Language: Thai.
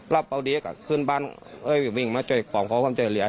รับพอดีกะขึ้นบ้านเอ้ยวิ่งมาเจอกล่องเขาความเจ๋อเหลี่ย